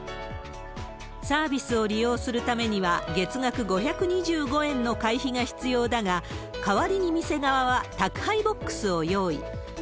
サービスを利用するためには、月額５２５円の会費が必要だが、代わりに店側は宅配ボックスを用意。